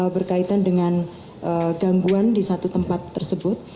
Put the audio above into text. berkaitan dengan gangguan di satu tempat tersebut